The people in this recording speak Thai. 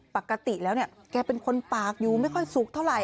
ปกติแล้วเนี่ยแกเป็นคนปากอยู่ไม่ค่อยสุกเท่าไห